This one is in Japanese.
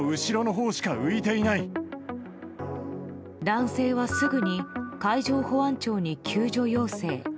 男性はすぐに海上保安庁に救助要請。